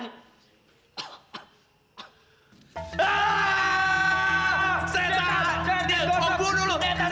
setan setan gue bunuh